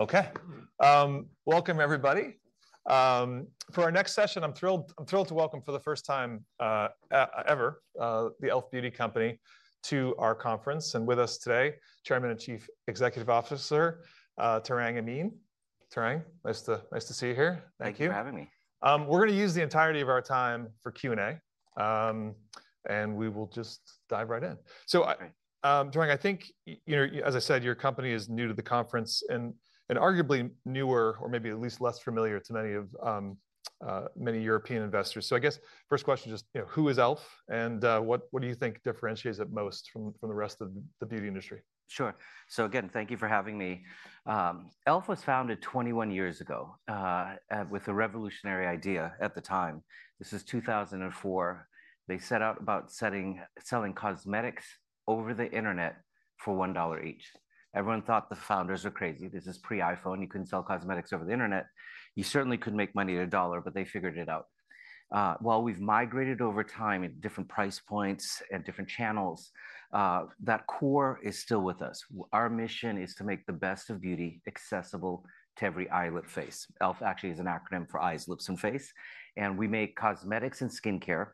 Okay. Welcome, everybody. For our next session, I'm thrilled to welcome for the first time ever the e.l.f. Beauty company to our conference. And with us today, Chairman and Chief Executive Officer Tarang Amin. Tarang, nice to see you here. Thank you. Thanks for having me. We're going to use the entirety of our time for Q&A, and we will just dive right in. Tarang, I think, as I said, your company is new to the conference and arguably newer or maybe at least less familiar to many European investors. I guess first question, just who is e.l.f. and what do you think differentiates it most from the rest of the beauty industry? Sure. Again, thank you for having me. e.l.f. was founded 21 years ago with a revolutionary idea at the time. This is 2004. They set out about selling cosmetics over the internet for $1 each. Everyone thought the founders were crazy. This is pre-iPhone. You can sell cosmetics over the internet. You certainly could make money at $1, but they figured it out. While we've migrated over time at different price points and different channels, that core is still with us. Our mission is to make the best of beauty accessible to every eye, lip, face. e.l.f. actually is an acronym for eyes, lips, and face. We make cosmetics and skincare.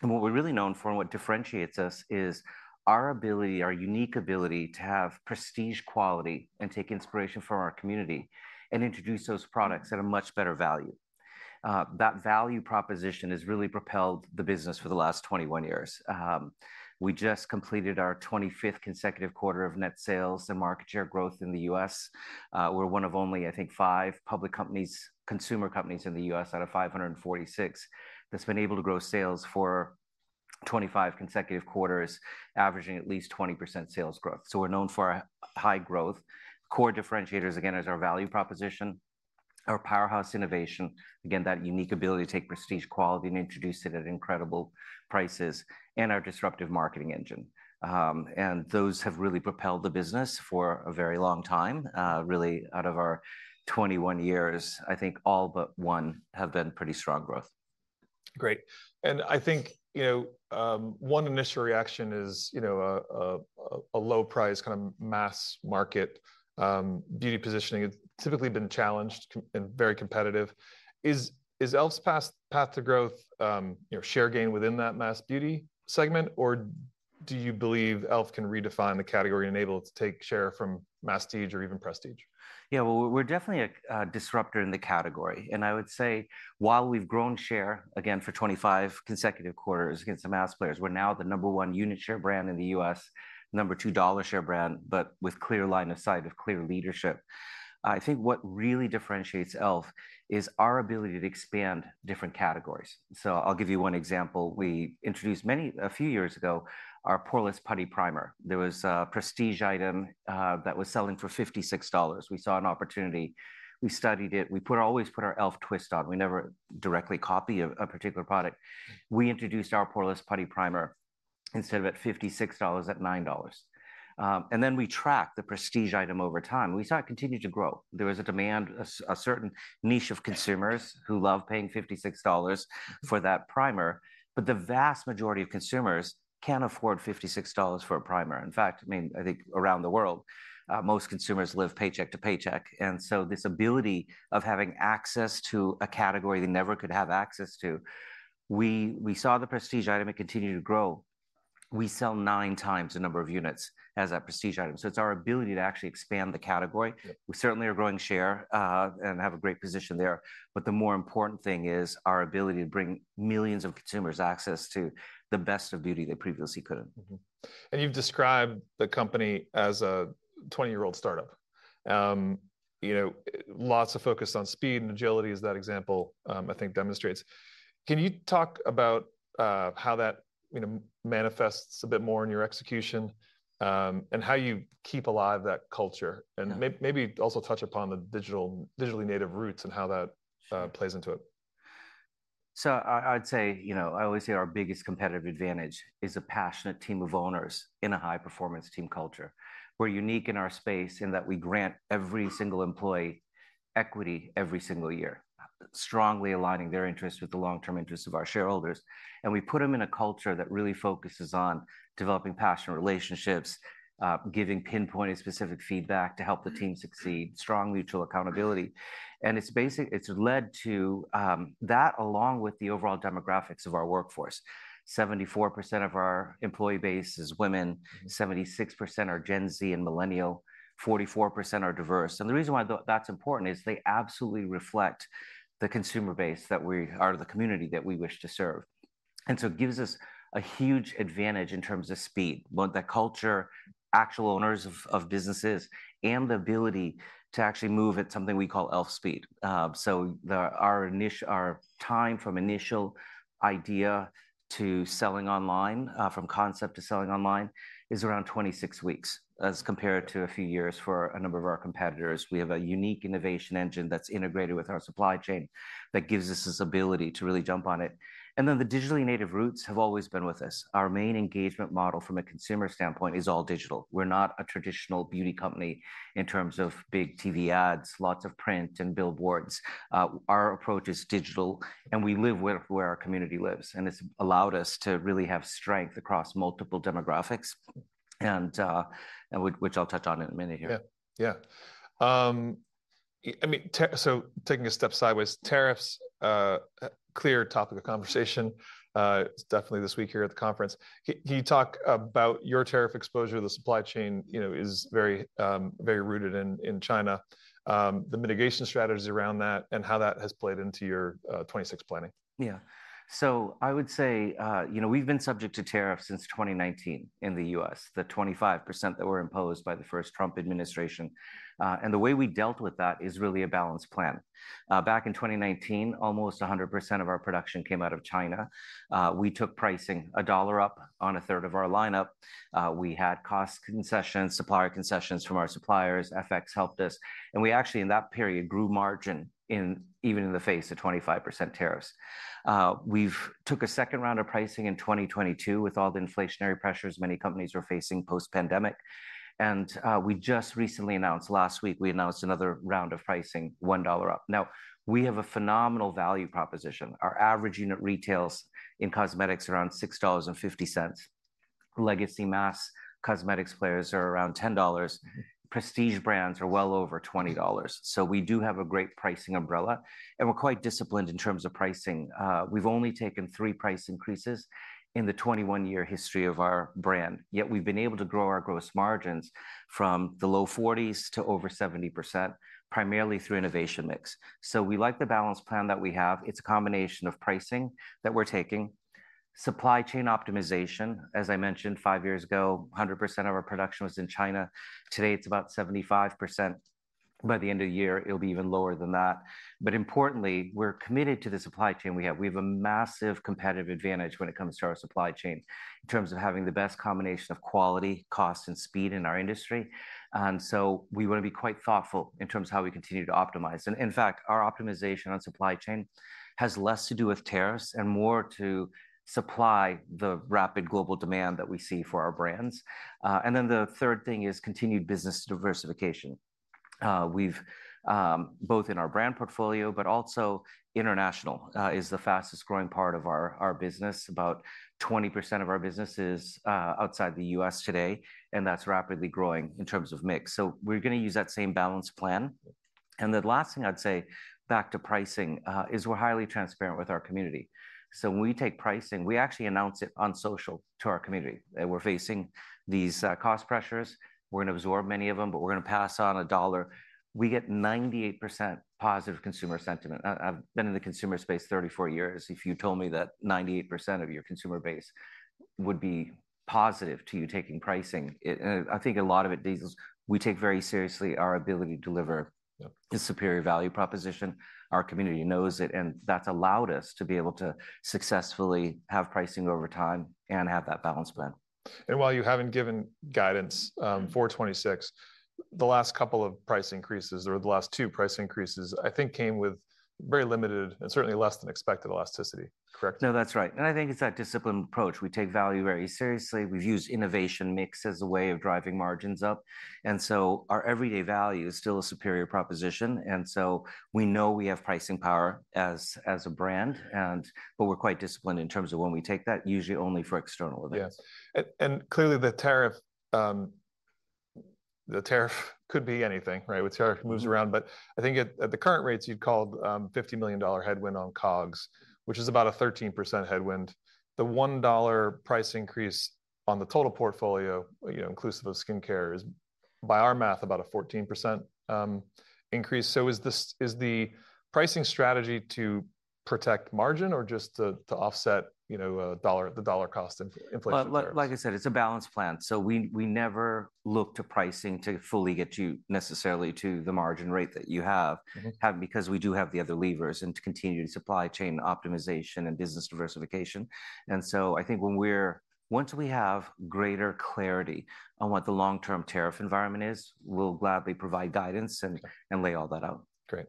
What we're really known for and what differentiates us is our ability, our unique ability to have prestige quality and take inspiration from our community and introduce those products at a much better value. That value proposition has really propelled the business for the last 21 years. We just completed our 25th consecutive quarter of net sales and market share growth in the U.S. We're one of only, I think, five public companies, consumer companies in the U.S. out of 546 that's been able to grow sales for 25 consecutive quarters, averaging at least 20% sales growth. We're known for high growth. Core differentiators, again, is our value proposition, our powerhouse innovation, again, that unique ability to take prestige quality and introduce it at incredible prices, and our disruptive marketing engine. Those have really propelled the business for a very long time. Really, out of our 21 years, I think all but one have been pretty strong growth. Great. I think one initial reaction is a low price, kind of mass market beauty positioning has typically been challenged and very competitive. Is e.l.f.'s path to growth share gain within that mass beauty segment, or do you believe e.l.f. can redefine the category and enable it to take share from mass stage or even prestige? Yeah, we're definitely a disruptor in the category. I would say, while we've grown share, again, for 25 consecutive quarters against the mass players, we're now the number one unit share brand in the US, number two dollar share brand, but with clear line of sight of clear leadership. I think what really differentiates e.l.f. is our ability to expand different categories. I'll give you one example. We introduced a few years ago our Poreless Putty Primer. There was a prestige item that was selling for $56. We saw an opportunity. We studied it. We always put our e.l.f. twist on. We never directly copy a particular product. We introduced our Poreless Putty Primer instead of at $56, at $9. We tracked the prestige item over time. We saw it continue to grow. There was a demand, a certain niche of consumers who love paying $56 for that primer, but the vast majority of consumers can't afford $56 for a primer. In fact, I mean, I think around the world, most consumers live paycheck to paycheck. This ability of having access to a category they never could have access to, we saw the prestige item and continue to grow. We sell nine times the number of units as a prestige item. It's our ability to actually expand the category. We certainly are growing share and have a great position there. The more important thing is our ability to bring millions of consumers access to the best of beauty they previously couldn't. You have described the company as a 20-year-old startup. Lots of focus on speed and agility, as that example, I think, demonstrates. Can you talk about how that manifests a bit more in your execution and how you keep alive that culture? Maybe also touch upon the digitally native roots and how that plays into it. I'd say, I always say our biggest competitive advantage is a passionate team of owners in a high-performance team culture. We're unique in our space in that we grant every single employee equity every single year, strongly aligning their interests with the long-term interests of our shareholders. We put them in a culture that really focuses on developing passionate relationships, giving pinpointed specific feedback to help the team succeed, strong mutual accountability. It's led to that along with the overall demographics of our workforce. 74% of our employee base is women, 76% are Gen Z and Millennial, 44% are diverse. The reason why that's important is they absolutely reflect the consumer base that we are of the community that we wish to serve. It gives us a huge advantage in terms of speed, both that culture, actual owners of businesses, and the ability to actually move at something we call e.l.f. speed. Our time from initial idea to selling online, from concept to selling online, is around 26 weeks, as compared to a few years for a number of our competitors. We have a unique innovation engine that is integrated with our supply chain that gives us this ability to really jump on it. The digitally native roots have always been with us. Our main engagement model from a consumer standpoint is all digital. We are not a traditional beauty company in terms of big TV ads, lots of print and billboards. Our approach is digital, and we live where our community lives. It has allowed us to really have strength across multiple demographics, which I'll touch on in a minute here. Yeah. Yeah. I mean, so taking a step sideways, tariffs, clear topic of conversation, definitely this week here at the conference. Can you talk about your tariff exposure? The supply chain is very rooted in China. The mitigation strategies around that and how that has played into your 2026 planning? Yeah. I would say we've been subject to tariffs since 2019 in the U.S., the 25% that were imposed by the first Trump administration. The way we dealt with that is really a balanced plan. Back in 2019, almost 100% of our production came out of China. We took pricing a dollar up on a third of our lineup. We had cost concessions, supplier concessions from our suppliers. FX helped us. We actually, in that period, grew margin even in the face of 25% tariffs. We took a second round of pricing in 2022 with all the inflationary pressures many companies were facing post-pandemic. We just recently announced, last week, we announced another round of pricing, $1 up. Now, we have a phenomenal value proposition. Our average unit retails in cosmetics around $6.50. Legacy mass cosmetics players are around $10. Prestige brands are well over $20. We do have a great pricing umbrella. We're quite disciplined in terms of pricing. We've only taken three price increases in the 21-year history of our brand. Yet we've been able to grow our gross margins from the low 40s to over 70%, primarily through innovation mix. We like the balanced plan that we have. It's a combination of pricing that we're taking, supply chain optimization. As I mentioned five years ago, 100% of our production was in China. Today, it's about 75%. By the end of the year, it'll be even lower than that. Importantly, we're committed to the supply chain we have. We have a massive competitive advantage when it comes to our supply chain in terms of having the best combination of quality, cost, and speed in our industry. We want to be quite thoughtful in terms of how we continue to optimize. In fact, our optimization on supply chain has less to do with tariffs and more to supply the rapid global demand that we see for our brands. The third thing is continued business diversification. Both in our brand portfolio, but also international, is the fastest growing part of our business. About 20% of our business is outside the U.S. today, and that's rapidly growing in terms of mix. We are going to use that same balanced plan. The last thing I'd say back to pricing is we're highly transparent with our community. When we take pricing, we actually announce it on social to our community. We're facing these cost pressures. We're going to absorb many of them, but we're going to pass on a dollar. We get 98% positive consumer sentiment. I've been in the consumer space 34 years. If you told me that 98% of your consumer base would be positive to you taking pricing, I think a lot of it is we take very seriously our ability to deliver a superior value proposition. Our community knows it, and that's allowed us to be able to successfully have pricing over time and have that balanced plan. While you haven't given guidance for 2026, the last couple of price increases or the last two price increases, I think, came with very limited and certainly less than expected elasticity, correct? No, that's right. I think it's that disciplined approach. We take value very seriously. We've used innovation mix as a way of driving margins up. Our everyday value is still a superior proposition. We know we have pricing power as a brand, but we're quite disciplined in terms of when we take that, usually only for external events. Yes. Clearly, the tariff could be anything, right, which moves around. I think at the current rates, you'd called $50 million headwind on COGS, which is about a 13% headwind. The $1 price increase on the total portfolio, inclusive of skincare, is by our math about a 14% increase. Is the pricing strategy to protect margin or just to offset the dollar cost inflation? Like I said, it's a balanced plan. We never look to pricing to fully get you necessarily to the margin rate that you have because we do have the other levers and continued supply chain optimization and business diversification. I think once we have greater clarity on what the long-term tariff environment is, we'll gladly provide guidance and lay all that out. Great.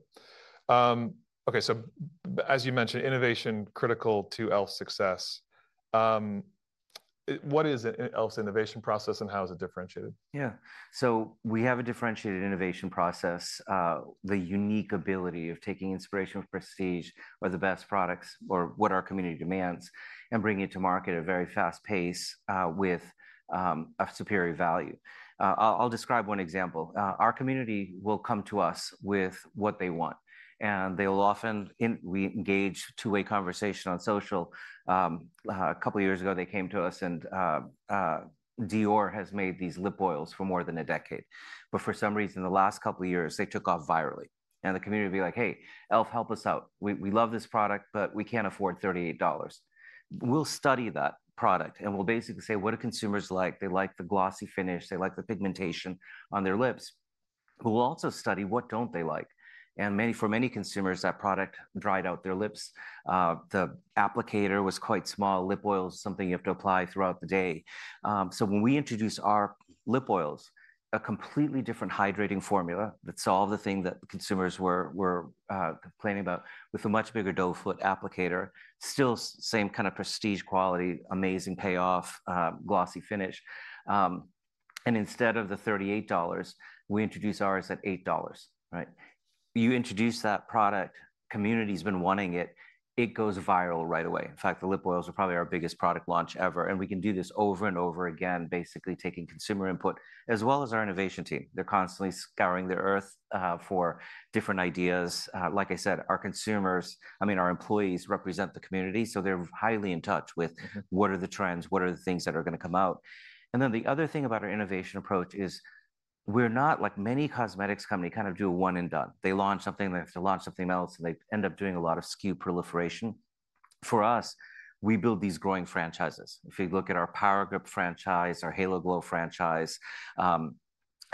Okay. So as you mentioned, innovation critical to e.l.f. success. What is e.l.f.'s innovation process and how is it differentiated? Yeah. We have a differentiated innovation process, the unique ability of taking inspiration from prestige or the best products or what our community demands and bringing it to market at a very fast pace with a superior value. I'll describe one example. Our community will come to us with what they want. We engage two-way conversation on social. A couple of years ago, they came to us and Dior has made these Lip Oils for more than a decade. For some reason, the last couple of years, they took off virally. The community would be like, "Hey, e.l.f., help us out. We love this product, but we can't afford $38." We'll study that product and we'll basically say what do consumers like. They like the glossy finish. They like the pigmentation on their lips. We'll also study what don't they like. For many consumers, that product dried out their lips. The applicator was quite small. Lip oil is something you have to apply throughout the day. When we introduce our lip oils, a completely different hydrating formula, that is all the thing that consumers were complaining about with a much bigger doe foot applicator, still same kind of prestige quality, amazing payoff, glossy finish. Instead of the $38, we introduce ours at $8. You introduce that product, community has been wanting it, it goes viral right away. In fact, the lip oils are probably our biggest product launch ever. We can do this over and over again, basically taking consumer input as well as our innovation team. They are constantly scouring the earth for different ideas. Like I said, our consumers, I mean, our employees represent the community. They're highly in touch with what are the trends, what are the things that are going to come out. The other thing about our innovation approach is we're not like many cosmetics companies kind of do a one and done. They launch something, they have to launch something else, and they end up doing a lot of SKU proliferation. For us, we build these growing franchises. If you look at our Power Grip franchise, our Halo Glow franchise, a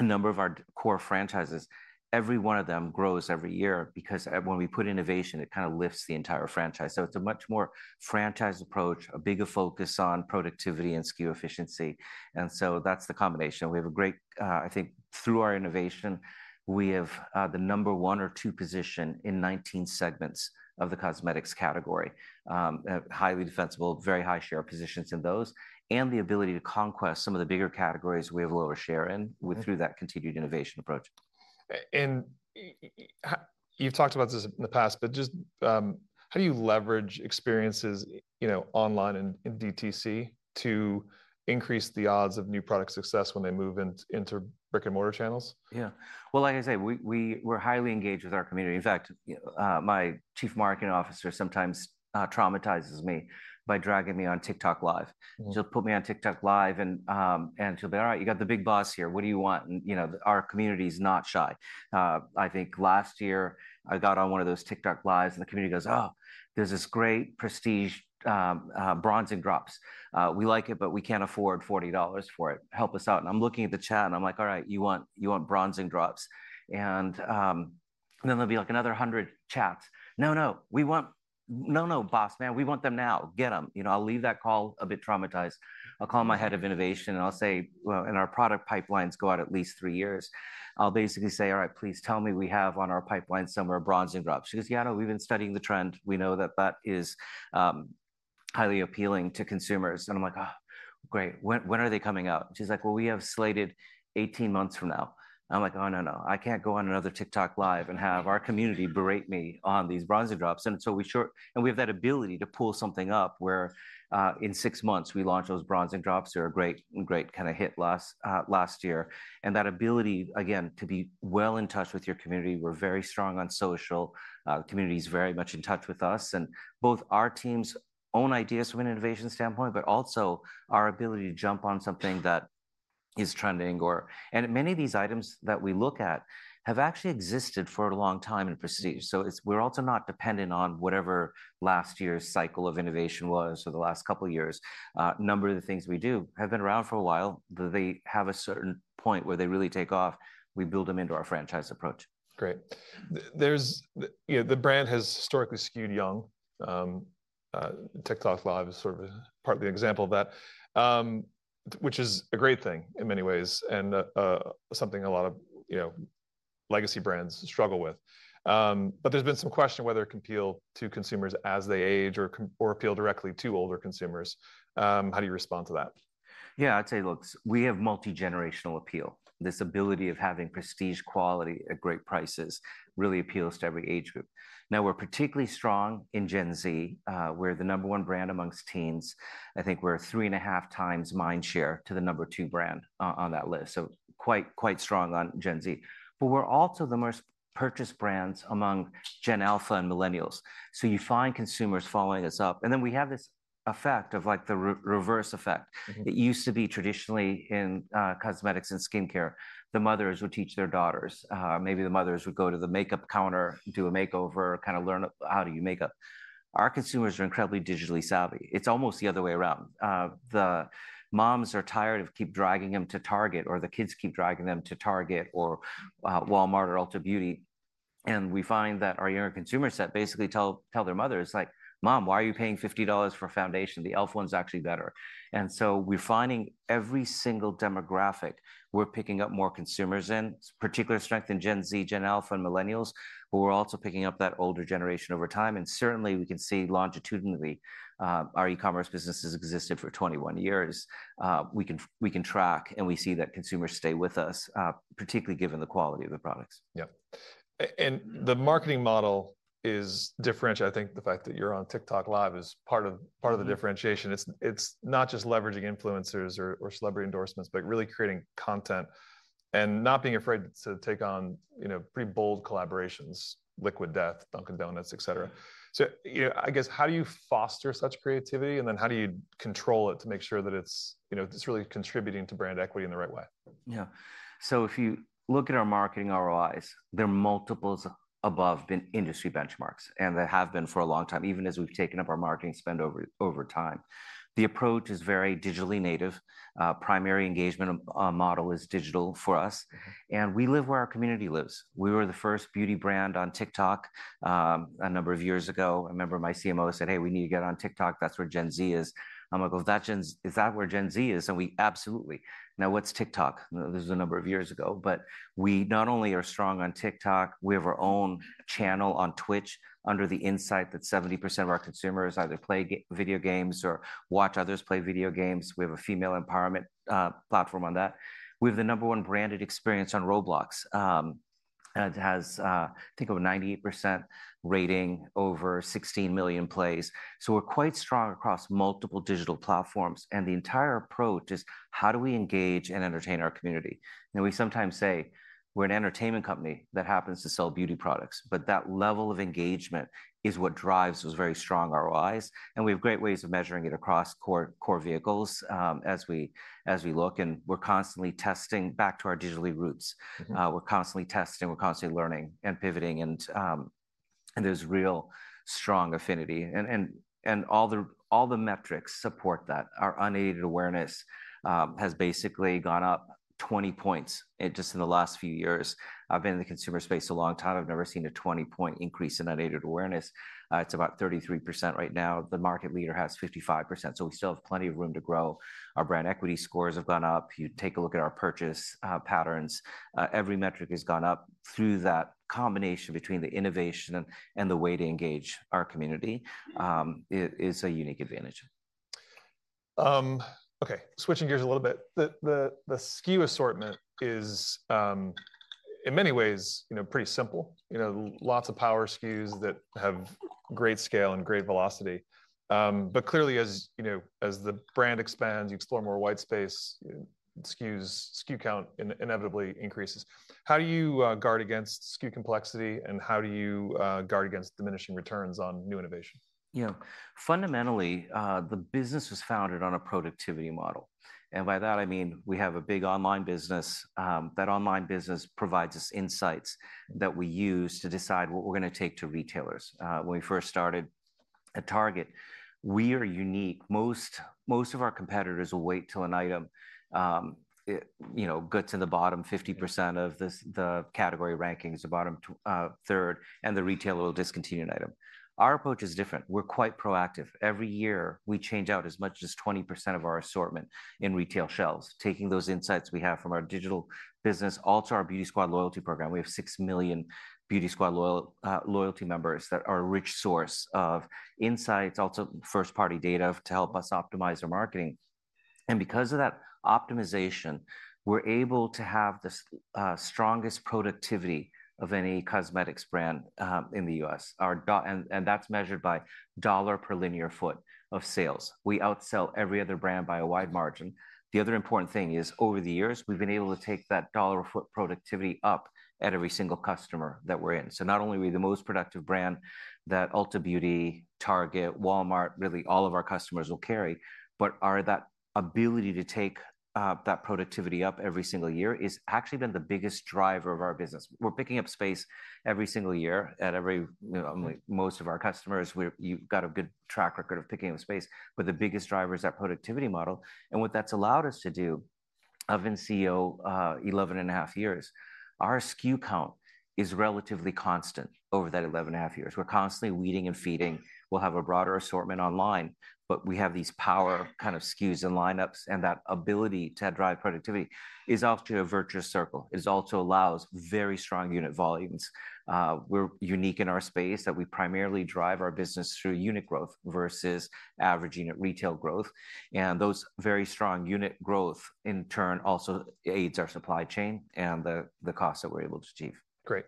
number of our core franchises, every one of them grows every year because when we put innovation, it kind of lifts the entire franchise. It's a much more franchise approach, a bigger focus on productivity and SKU efficiency. That's the combination. We have a great, I think, through our innovation, we have the number one or two position in 19 segments of the cosmetics category, highly defensible, very high share positions in those, and the ability to conquest some of the bigger categories we have lower share in through that continued innovation approach. You have talked about this in the past, but just how do you leverage experiences online in DTC to increase the odds of new product success when they move into brick and mortar channels? Yeah. Like I say, we're highly engaged with our community. In fact, my Chief Marketing Officer sometimes traumatizes me by dragging me on TikTok Live. She'll put me on TikTok Live and she'll be, "All right, you got the big boss here. What do you want?" Our community is not shy. I think last year, I got on one of those TikTok Lives and the community goes, "Oh, there's this great prestige bronzing drops. We like it, but we can't afford $40 for it. Help us out." I'm looking at the chat and I'm like, "All right, you want bronzing drops." Then there'll be like another hundred chats. "No, no, we want, no, no, boss, man, we want them now. Get them." I'll leave that call a bit traumatized. I'll call my head of innovation and I'll say, "Well, and our product pipelines go out at least three years." I'll basically say, "All right, please tell me we have on our pipeline somewhere bronzing drops." She goes, "Yeah, no, we've been studying the trend. We know that that is highly appealing to consumers." I'm like, "Oh, great. When are they coming out?" She's like, "Well, we have slated 18 months from now." I'm like, "Oh, no, no, I can't go on another TikTok Live and have our community berate me on these bronzing drops." We have that ability to pull something up where in six months we launch those bronzing drops. They're a great kind of hit last year. That ability, again, to be well in touch with your community. We're very strong on social. The community is very much in touch with us. Both our team's own ideas from an innovation standpoint, but also our ability to jump on something that is trending. Many of these items that we look at have actually existed for a long time in prestige. We are also not dependent on whatever last year's cycle of innovation was or the last couple of years. A number of the things we do have been around for a while. They have a certain point where they really take off. We build them into our franchise approach. Great. The brand has historically skewed young. TikTok Live is sort of partly an example of that, which is a great thing in many ways and something a lot of legacy brands struggle with. There has been some question whether it can appeal to consumers as they age or appeal directly to older consumers. How do you respond to that? Yeah, I'd say, look, we have multi-generational appeal. This ability of having prestige quality at great prices really appeals to every age group. Now, we're particularly strong in Gen Z. We're the number one brand amongst teens. I think we're three and a half times mind share to the number two brand on that list. Quite strong on Gen Z. We're also the most purchased brands among Gen Alpha and Millennials. You find consumers following us up. We have this effect of like the reverse effect. It used to be traditionally in cosmetics and skincare, the mothers would teach their daughters. Maybe the mothers would go to the makeup counter, do a makeover, kind of learn how to do your makeup. Our consumers are incredibly digitally savvy. It's almost the other way around. The moms are tired of keep dragging them to Target or the kids keep dragging them to Target or Walmart or Ulta Beauty. We find that our younger consumers that basically tell their mothers, like, "Mom, why are you paying $50 for a foundation? The e.l.f. one's actually better." We are finding every single demographic we are picking up more consumers in, particular strength in Gen Z, Gen Alpha, and Millennials, but we are also picking up that older generation over time. Certainly, we can see longitudinally, our e-commerce business has existed for 21 years. We can track and we see that consumers stay with us, particularly given the quality of the products. Yeah. The marketing model is differentiated. I think the fact that you're on TikTok Live is part of the differentiation. It's not just leveraging influencers or celebrity endorsements, but really creating content and not being afraid to take on pretty bold collaborations, Liquid Death, Dunkin' Donuts, etc. I guess, how do you foster such creativity? And then how do you control it to make sure that it's really contributing to brand equity in the right way? Yeah. If you look at our marketing ROIs, they're multiples above industry benchmarks and they have been for a long time, even as we've taken up our marketing spend over time. The approach is very digitally native. Primary engagement model is digital for us. We live where our community lives. We were the first beauty brand on TikTok a number of years ago. A member of my CMO said, "Hey, we need to get on TikTok. That's where Gen Z is." I'm like, "Is that where Gen Z is?" We absolutely. Now, what's TikTok? This was a number of years ago. We not only are strong on TikTok, we have our own channel on Twitch under the insight that 70% of our consumers either play video games or watch others play video games. We have a female empowerment platform on that. We have the number one branded experience on Roblox. It has, I think, over 98% rating, over 16 million plays. We are quite strong across multiple digital platforms. The entire approach is how do we engage and entertain our community? We sometimes say we are an entertainment company that happens to sell beauty products, but that level of engagement is what drives those very strong ROIs. We have great ways of measuring it across core vehicles as we look. We are constantly testing back to our digital roots. We are constantly testing. We are constantly learning and pivoting. There is real strong affinity. All the metrics support that. Our unaided awareness has basically gone up 20 points just in the last few years. I have been in the consumer space a long time. I have never seen a 20-point increase in unaided awareness. It is about 33% right now. The market leader has 55%. We still have plenty of room to grow. Our brand equity scores have gone up. You take a look at our purchase patterns. Every metric has gone up. That combination between the innovation and the way to engage our community is a unique advantage. Okay. Switching gears a little bit. The SKU assortment is, in many ways, pretty simple. Lots of power SKUs that have great scale and great velocity. Clearly, as the brand expands, you explore more white space, SKU count inevitably increases. How do you guard against SKU complexity and how do you guard against diminishing returns on new innovation? Yeah. Fundamentally, the business was founded on a productivity model. By that, I mean we have a big online business. That online business provides us insights that we use to decide what we are going to take to retailers. When we first started at Target, we are unique. Most of our competitors will wait till an item gets in the bottom 50% of the category rankings, the bottom third, and the retailer will discontinue an item. Our approach is different. We are quite proactive. Every year, we change out as much as 20% of our assortment in retail shelves, taking those insights we have from our digital business, also our Beauty Squad loyalty program. We have 6 million Beauty Squad loyalty members that are a rich source of insights, also first-party data to help us optimize our marketing. Because of that optimization, we're able to have the strongest productivity of any cosmetics brand in the US. That's measured by dollar per linear foot of sales. We outsell every other brand by a wide margin. The other important thing is over the years, we've been able to take that dollar per foot productivity up at every single customer that we're in. Not only are we the most productive brand that Ulta Beauty, Target, Walmart, really all of our customers carry, but our ability to take that productivity up every single year has actually been the biggest driver of our business. We're picking up space every single year at most of our customers. You've got a good track record of picking up space, but the biggest driver is that productivity model. What that has allowed us to do, I've been CEO 11 and a half years, our SKU count is relatively constant over that 11 and a half years. We're constantly weeding and feeding. We'll have a broader assortment online, but we have these power kind of SKUs and lineups, and that ability to drive productivity is off to a virtuous circle. It also allows very strong unit volumes. We're unique in our space that we primarily drive our business through unit growth versus average unit retail growth. Those very strong unit growth in turn also aids our supply chain and the costs that we're able to achieve. Great.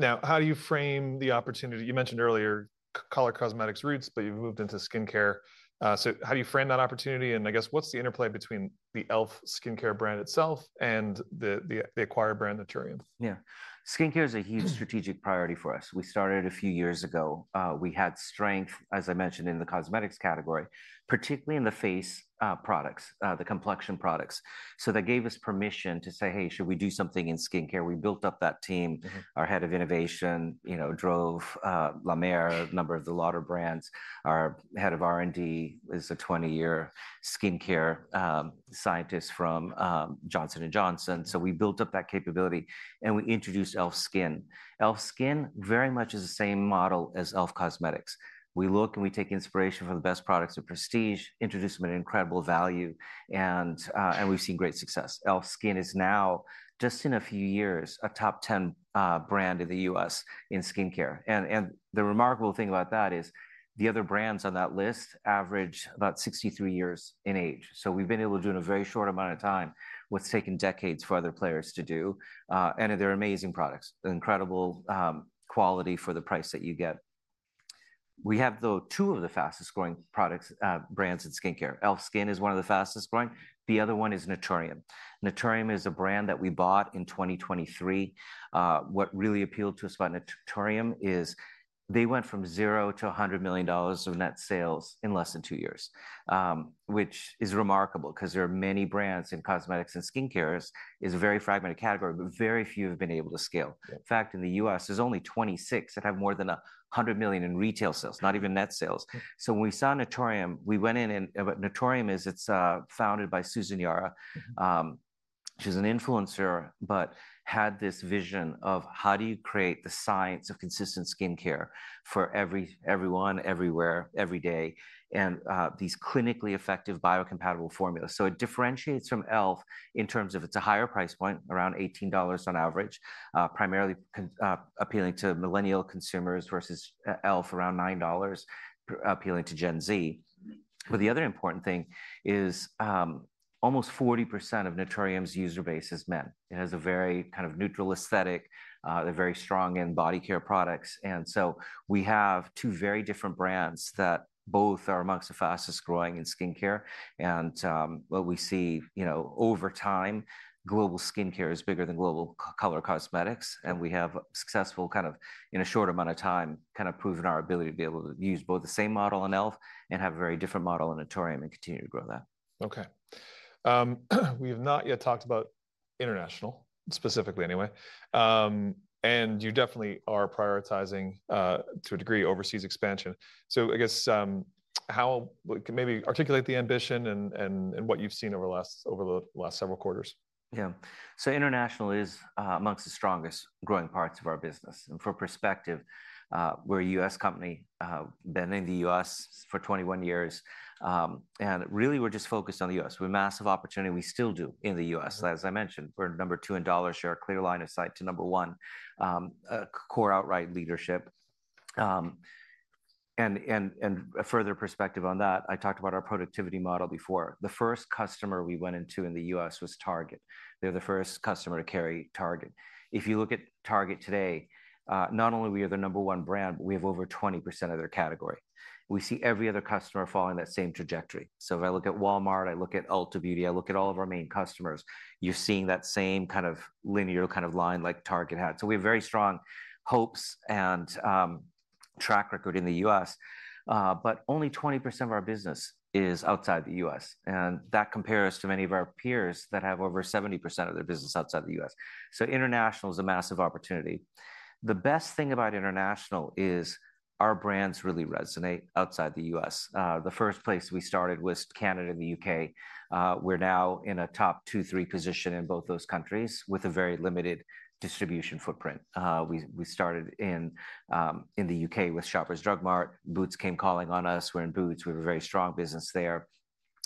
Now, how do you frame the opportunity? You mentioned earlier color cosmetics roots, but you've moved into skincare. How do you frame that opportunity? I guess, what's the interplay between the e.l.f. Skin brand itself and the acquired brand Naturium? Yeah. Skincare is a huge strategic priority for us. We started a few years ago. We had strength, as I mentioned, in the cosmetics category, particularly in the face products, the complexion products. That gave us permission to say, "Hey, should we do something in skincare?" We built up that team. Our Head of Innovation drove La Mer, a number of the Lauder brands. Our Head of R&D is a 20-year skincare scientist from Johnson & Johnson. We built up that capability and we introduced e.l.f. Skin. e.l.f. Skin very much is the same model as e.l.f. Cosmetics. We look and we take inspiration from the best products of prestige, introduce them at incredible value, and we've seen great success. e.l.f. Skin is now, just in a few years, a top 10 brand in the US in skincare. The remarkable thing about that is the other brands on that list average about 63 years in age. We have been able to do in a very short amount of time what has taken decades for other players to do. They are amazing products, incredible quality for the price that you get. We have, though, two of the fastest growing product brands in skincare. e.l.f. Skin is one of the fastest growing. The other one is Naturium. Naturium is a brand that we bought in 2023. What really appealed to us about Naturium is they went from zero to $100 million of net sales in less than two years, which is remarkable because there are many brands in cosmetics and skincare. It is a very fragmented category, but very few have been able to scale. In fact, in the U.S., there's only 26 that have more than $100 million in retail sales, not even net sales. When we saw Naturium, we went in and Naturium is founded by Susan Yara. She's an influencer, but had this vision of how do you create the science of consistent skincare for everyone, everywhere, every day, and these clinically effective biocompatible formulas. It differentiates from e.l.f. in terms of it's a higher price point, around $18 on average, primarily appealing to millennial consumers versus e.l.f. around $9, appealing to Gen Z. The other important thing is almost 40% of Naturium's user base is men. It has a very kind of neutral aesthetic. They're very strong in body care products. We have two very different brands that both are amongst the fastest growing in skincare. What we see over time, global skincare is bigger than global color cosmetics. We have successful, kind of in a short amount of time, kind of proven our ability to be able to use both the same model in e.l.f. and have a very different model in Naturium and continue to grow that. Okay. We have not yet talked about international, specifically anyway. You definitely are prioritizing to a degree overseas expansion. I guess, how maybe articulate the ambition and what you've seen over the last several quarters. Yeah. International is amongst the strongest growing parts of our business. For perspective, we're a U.S. company, been in the U.S. for 21 years. Really, we're just focused on the U.S. We have a massive opportunity. We still do in the U.S. As I mentioned, we're number two in dollar share, clear line of sight to number one, core outright leadership. For further perspective on that, I talked about our productivity model before. The first customer we went into in the U.S. was Target. They were the first customer to carry e.l.f. If you look at Target today, not only are we the number one brand, but we have over 20% of their category. We see every other customer following that same trajectory. If I look at Walmart, I look at Ulta Beauty, I look at all of our main customers, you're seeing that same kind of linear kind of line like Target had. We have very strong hopes and track record in the US, but only 20% of our business is outside the US. That compares to many of our peers that have over 70% of their business outside the US. International is a massive opportunity. The best thing about international is our brands really resonate outside the US. The first place we started was Canada, the U.K. We're now in a top two, three position in both those countries with a very limited distribution footprint. We started in the U.K. with Shoppers Drug Mart. Boots came calling on us. We're in Boots. We have a very strong business there.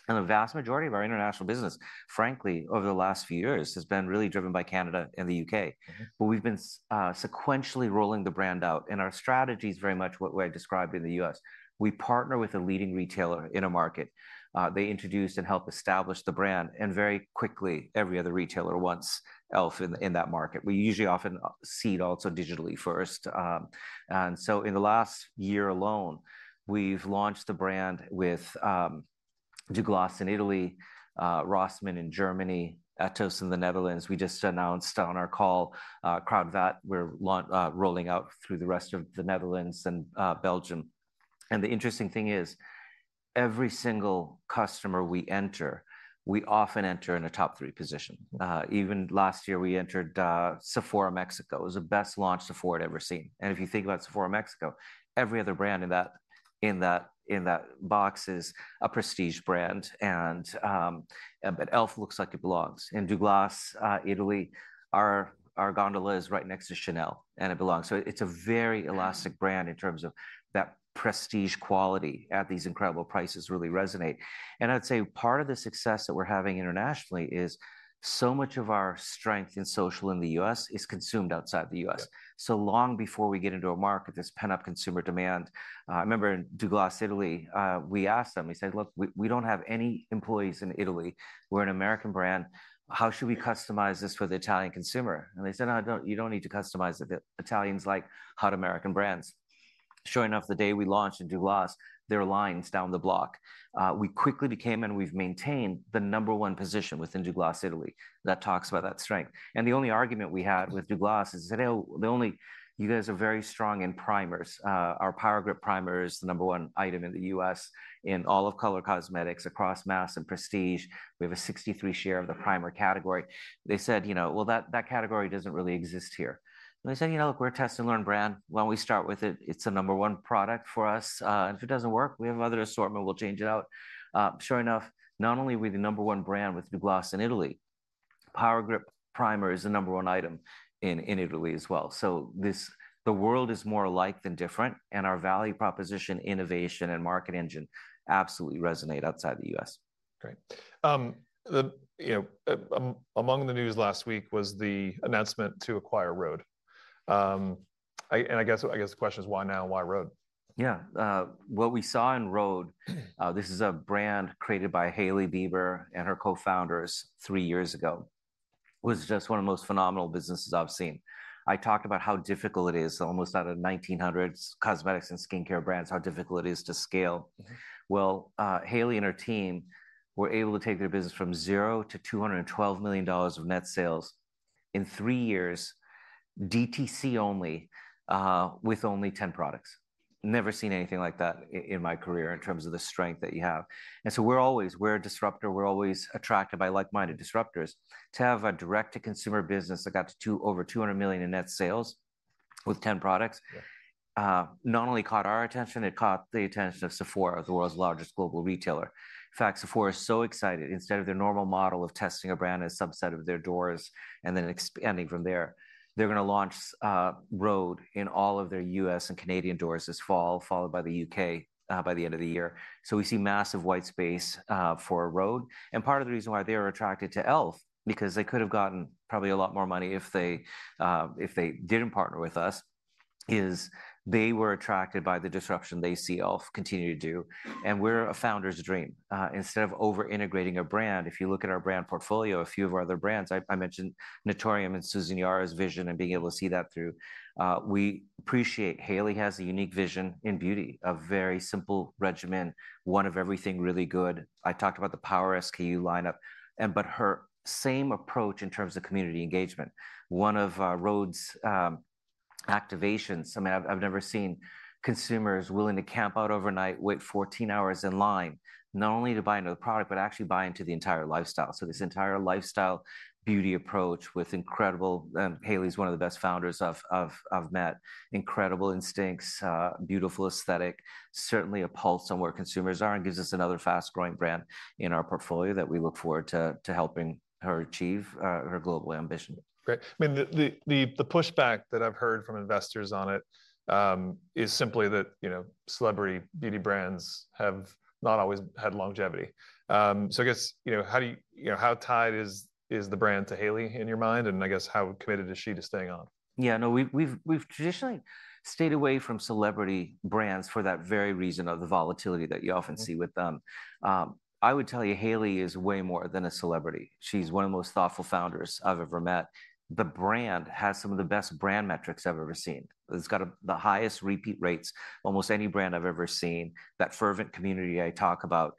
The vast majority of our international business, frankly, over the last few years has been really driven by Canada and the U.K. We have been sequentially rolling the brand out. Our strategy is very much what I described in the U.S. We partner with a leading retailer in a market. They introduce and help establish the brand. Very quickly, every other retailer wants e.l.f. in that market. We usually often seed also digitally first. In the last year alone, we have launched the brand with Douglas in Italy, Rossmann in Germany, Etos in the Netherlands. We just announced on our call, Kruidvat, we are rolling out through the rest of the Netherlands and Belgium. The interesting thing is every single customer we enter, we often enter in a top three position. Even last year, we entered Sephora Mexico. It was the best launch Sephora had ever seen. If you think about Sephora Mexico, every other brand in that box is a prestige brand. And e.l.f. looks like it belongs. In Douglas, Italy, our gondola is right next to Chanel and it belongs. It is a very elastic brand in terms of that prestige quality at these incredible prices really resonate. I would say part of the success that we are having internationally is so much of our strength in social in the U.S. is consumed outside the U.S. Long before we get into a market, there is pent-up consumer demand. I remember in Douglas, Italy, we asked them, we said, "Look, we do not have any employees in Italy. We are an American brand. How should we customize this for the Italian consumer?" They said, "No, you do not need to customize it. The Italians like hot American brands. Sure enough, the day we launched in Douglas, there are lines down the block. We quickly became and we've maintained the number one position within Douglas, Italy. That talks about that strength. The only argument we had with Douglas is, "You guys are very strong in primers. Our Power Grip Primer is the number one item in the US in all of color cosmetics across mass and prestige. We have a 63% share of the primer category." They said, "That category does not really exist here." I said, "You know, look, we're a test and learn brand. Why do we not start with it? It is a number one product for us. If it does not work, we have other assortment. Sure enough, not only were we the number one brand with Douglas in Italy, Power Grip Primer is the number one item in Italy as well. The world is more alike than different. Our value proposition, innovation, and market engine absolutely resonate outside the U.S. Great. Among the news last week was the announcement to acquire Rhode. I guess the question is why now and why Rhode? Yeah. What we saw in Rhode, this is a brand created by Hailey Bieber and her co-founders three years ago. It was just one of the most phenomenal businesses I've seen. I talked about how difficult it is, almost out of 1,900 cosmetics and skincare brands, how difficult it is to scale. Hailey and her team were able to take their business from zero to $212 million of net sales in three years, DTC only, with only 10 products. Never seen anything like that in my career in terms of the strength that you have. We're always, we're a disruptor. We're always attracted by like-minded disruptors. To have a direct-to-consumer business that got to over $200 million in net sales with 10 products not only caught our attention, it caught the attention of Sephora, the world's largest global retailer. In fact, Sephora is so excited, instead of their normal model of testing a brand at a subset of their doors and then expanding from there, they're going to launch Rhode in all of their U.S. and Canadian doors this fall, followed by the U.K. by the end of the year. We see massive white space for Rhode. Part of the reason why they were attracted to e.l.f., because they could have gotten probably a lot more money if they did not partner with us, is they were attracted by the disruption they see e.l.f. continue to do. We are a founder's dream. Instead of over-integrating a brand, if you look at our brand portfolio, a few of our other brands, I mentioned Naturium and Susan Yara's vision and being able to see that through. We appreciate Hailey has a unique vision in beauty, a very simple regimen, one of everything really good. I talked about the Power SKU lineup, but her same approach in terms of community engagement. One of Rhode's activations, I mean, I've never seen consumers willing to camp out overnight, wait 14 hours in line, not only to buy another product, but actually buy into the entire lifestyle. This entire lifestyle beauty approach was incredible, and Hailey's one of the best founders I've met, incredible instincts, beautiful aesthetic, certainly a pulse on where consumers are and gives us another fast-growing brand in our portfolio that we look forward to helping her achieve her global ambition. Great. I mean, the pushback that I've heard from investors on it is simply that celebrity beauty brands have not always had longevity. I guess, how tied is the brand to Hailey in your mind? I guess, how committed is she to staying on? Yeah. No, we've traditionally stayed away from celebrity brands for that very reason of the volatility that you often see with them. I would tell you Hailey is way more than a celebrity. She's one of the most thoughtful founders I've ever met. The brand has some of the best brand metrics I've ever seen. It's got the highest repeat rates, almost any brand I've ever seen. That fervent community I talk about,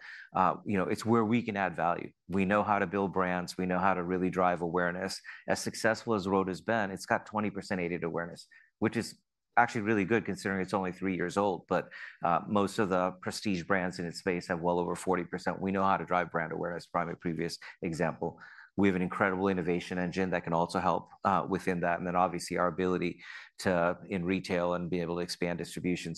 it's where we can add value. We know how to build brands. We know how to really drive awareness. As successful as Rhode has been, it's got 20% aided awareness, which is actually really good considering it's only three years old, but most of the prestige brands in its space have well over 40%. We know how to drive brand awareness, primary previous example. We have an incredible innovation engine that can also help within that. Obviously our ability in retail and be able to expand distribution.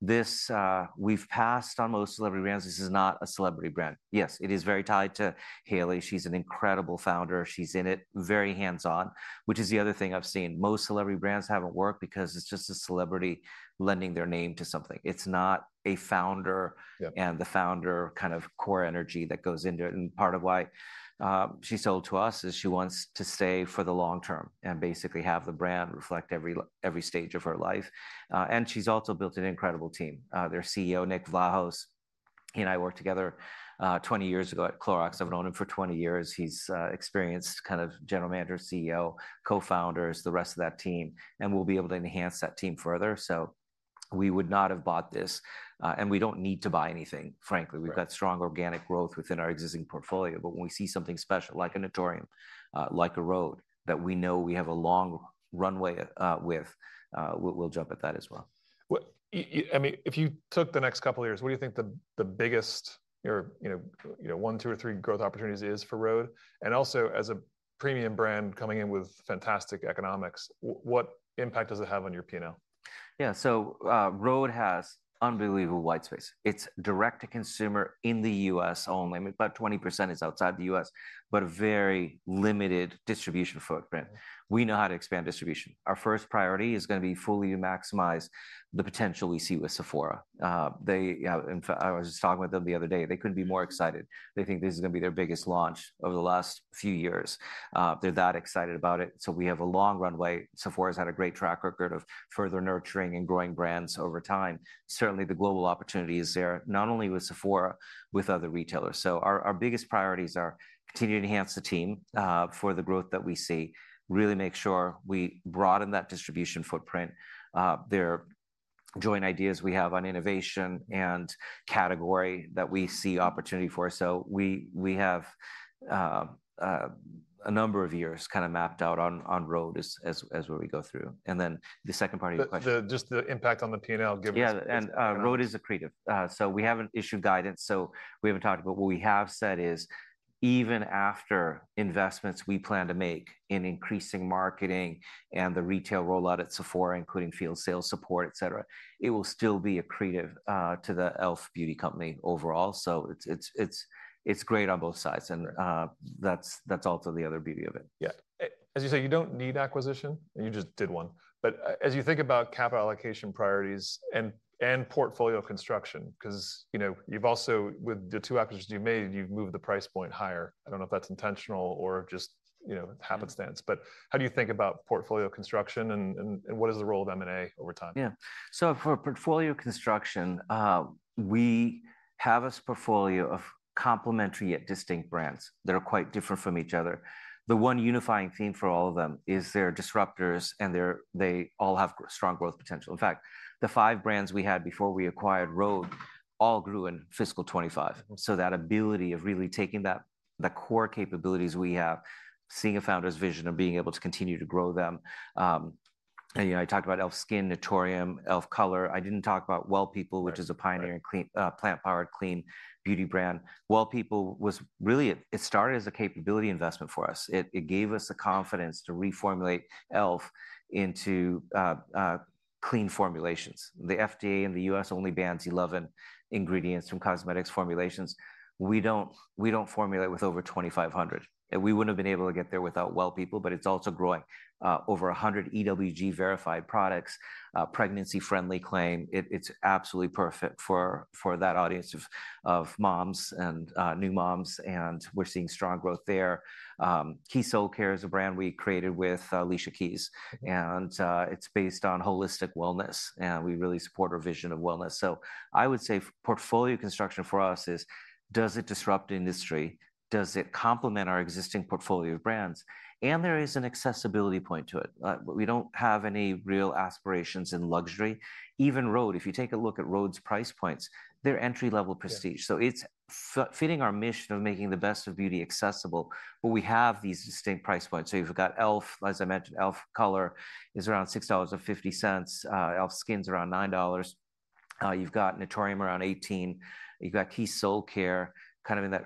We've passed on most celebrity brands. This is not a celebrity brand. Yes, it is very tied to Hailey. She's an incredible founder. She's in it very hands-on, which is the other thing I've seen. Most celebrity brands haven't worked because it's just a celebrity lending their name to something. It's not a founder and the founder kind of core energy that goes into it. Part of why she sold to us is she wants to stay for the long term and basically have the brand reflect every stage of her life. She's also built an incredible team. Their CEO, Nick Vlahos, he and I worked together 20 years ago at Clorox. I've known him for 20 years. He's experienced kind of general manager, CEO, co-founders, the rest of that team, and we'll be able to enhance that team further. We would not have bought this. We do not need to buy anything, frankly. We've got strong organic growth within our existing portfolio. When we see something special like a Naturium, like a Rhode that we know we have a long runway with, we'll jump at that as well. I mean, if you took the next couple of years, what do you think the biggest one, two, or three growth opportunities is for Rhode? And also as a premium brand coming in with fantastic economics, what impact does it have on your P&L? Yeah. Rhode has unbelievable white space. It's direct-to-consumer in the U.S. only. About 20% is outside the U.S., but a very limited distribution footprint. We know how to expand distribution. Our first priority is going to be fully to maximize the potential we see with Sephora. I was just talking with them the other day. They couldn't be more excited. They think this is going to be their biggest launch over the last few years. They're that excited about it. We have a long runway. Sephora's had a great track record of further nurturing and growing brands over time. Certainly, the global opportunity is there, not only with Sephora, with other retailers. Our biggest priorities are to continue to enhance the team for the growth that we see, really make sure we broaden that distribution footprint, their joint ideas we have on innovation and category that we see opportunity for. We have a number of years kind of mapped out on Rhode as we go through. The second part of your question. Just the impact on the P&L given. Yeah. Road is accretive. We have not issued guidance. We have not talked about what we have said is even after investments we plan to make in increasing marketing and the retail rollout at Sephora, including field sales support, et cetera, it will still be accretive to the e.l.f. Beauty company overall. It is great on both sides. That is also the other beauty of it. Yeah. As you say, you don't need acquisition. You just did one. As you think about capital allocation priorities and portfolio construction, because you've also with the two acquisitions you made, you've moved the price point higher. I don't know if that's intentional or just happenstance. How do you think about portfolio construction and what is the role of M&A over time? Yeah. For portfolio construction, we have a portfolio of complementary yet distinct brands that are quite different from each other. The one unifying theme for all of them is they're disruptors and they all have strong growth potential. In fact, the five brands we had before we acquired Rhode all grew in fiscal 2025. That ability of really taking the core capabilities we have, seeing a founder's vision of being able to continue to grow them. I talked about e.l.f. Skin, Naturium, e.l.f. Color. I didn't talk about Well People, which is a pioneer and plant-powered clean beauty brand. Well People was really, it started as a capability investment for us. It gave us the confidence to reformulate e.l.f. into clean formulations. The FDA in the U.S. only bans 11 ingredients from cosmetics formulations. We don't formulate with over 2,500. We would not have been able to get there without Well People, but it is also growing over 100 EWG verified products, pregnancy-friendly claim. It is absolutely perfect for that audience of moms and new moms. We are seeing strong growth there. Keys Soulcare is a brand we created with Alicia Keys. It is based on holistic wellness. We really support our vision of wellness. I would say portfolio construction for us is, does it disrupt industry? Does it complement our existing portfolio of brands? There is an accessibility point to it. We do not have any real aspirations in luxury. Even Rhode, if you take a look at Rhode's price points, they are entry-level prestige. It is fitting our mission of making the best of beauty accessible. We have these distinct price points. You have got e.l.f., as I mentioned, e.l.f. Color is around $6.50. e.l.f. Skin is around $9. You've got Naturium around $18. You've got Keys Soulcare kind of in that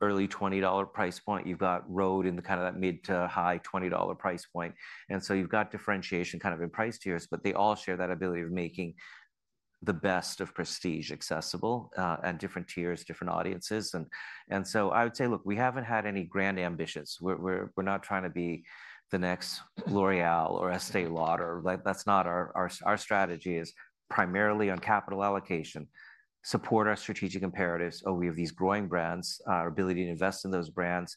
early $20 price point. You've got Rhode in the kind of that mid to high $20 price point. You have differentiation kind of in price tiers, but they all share that ability of making the best of prestige accessible and different tiers, different audiences. I would say, look, we haven't had any grand ambitions. We're not trying to be the next L'Oréal or Estée Lauder. That's not our strategy. It is primarily on capital allocation, support our strategic imperatives. We have these growing brands, our ability to invest in those brands,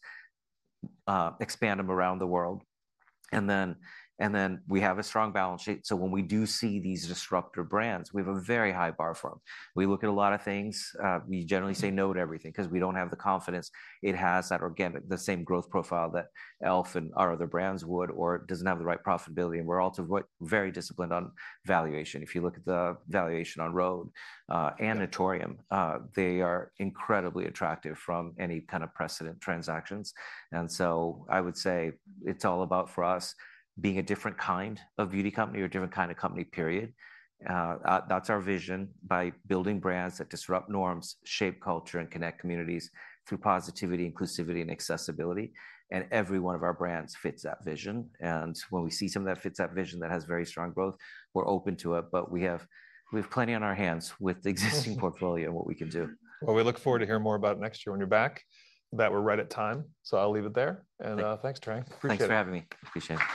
expand them around the world. We have a strong balance sheet. When we do see these disruptor brands, we have a very high bar for them. We look at a lot of things. We generally say no to everything because we do not have the confidence it has that organic, the same growth profile that e.l.f. and our other brands would, or it does not have the right profitability. We are also very disciplined on valuation. If you look at the valuation on Rhode and Naturium, they are incredibly attractive from any kind of precedent transactions. I would say it is all about for us being a different kind of beauty company or a different kind of company, period. That is our vision by building brands that disrupt norms, shape culture, and connect communities through positivity, inclusivity, and accessibility. Every one of our brands fits that vision. When we see some of that fits that vision that has very strong growth, we are open to it, but we have plenty on our hands with the existing portfolio and what we can do. We look forward to hearing more about it next year when you're back. That, we're right at time. I'll leave it there. Thanks, Tarang. Thanks for having me. Appreciate it.